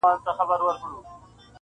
هو پاچا ملا وزیر ملا سهي ده,